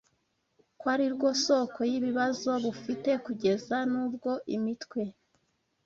ko ari rwo soko y’ibibazo bufite, kugeza n’ubwo imitwe